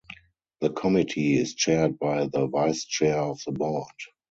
The committee is chaired by the Vice-Chair of the Board.